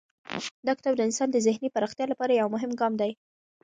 دا کتاب د انسان د ذهني پراختیا لپاره یو مهم ګام دی.